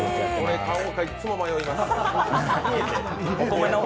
これ、買おうかいっつも迷います。